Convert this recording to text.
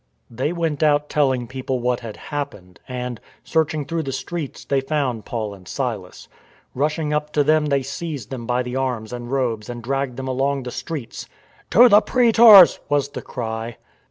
They went out telling people what had happened, and, searching through the streets, they found Paul and Silas. Rushing up to them they seized them by the arms and robes and dragged them along the streets :" To the praetors !" was the cry.